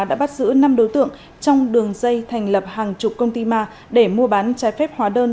đã bắt giữ năm đối tượng trong đường dây thành lập hàng chục công ty ma để mua bán trái phép hóa đơn